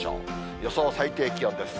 予想最低気温です。